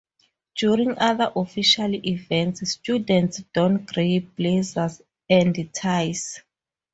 During other official events, students don grey blazers and ties.